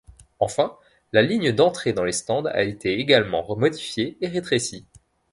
Enfin, la ligne d'entrée dans les stands a été également modifiée et rétrécie.